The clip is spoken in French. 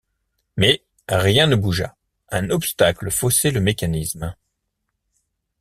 Mais rien ne bougea, un obstacle faussait le mécanisme.